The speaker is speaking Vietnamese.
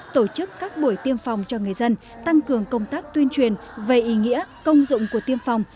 tổ chức các buổi tiêm phòng cho người dân tăng cường công tác tuyên truyền về ý nghĩa công dụng của tiêm phòng